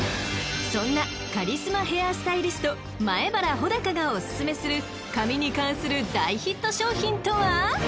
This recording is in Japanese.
［そんなカリスマヘアスタイリスト前原穂高がお薦めする髪に関する大ヒット商品とは？］